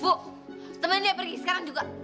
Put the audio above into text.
bu temenin lia pergi sekarang juga